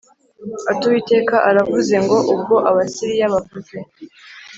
ati “Uwiteka aravuze ngo: Ubwo Abasiriya bavuze